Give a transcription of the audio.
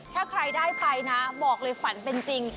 ถ้าใครได้ไปนะบอกเลยฝันเป็นจริง